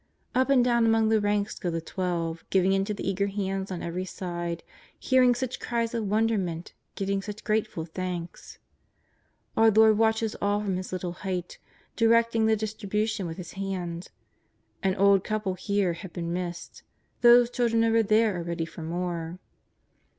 Dp and down among the ranks go the Twelve, giving into the eager hands on every side, hearing such cries of wonderment, getting such grateful thanks. Our Lord watches all from His little height, directing the distri bution with His hand — an old couple here have been missed ; those children over there are ready for more.